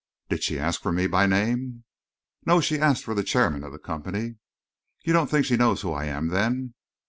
"Did she ask for me by name?" "No. She asked for the Chairman of the Company." "You don't think she knows who I am, then?"